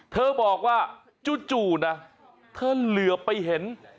เธอบอกว่าจู่นะเธอเหลือไปเห็น